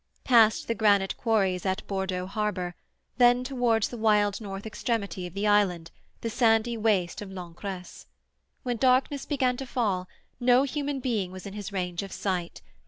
Past the granite quarries at Bordeaux Harbour, then towards the wild north extremity of the island, the sandy waste of L'Ancresse. When darkness began to fall, no human being was in his range of sight.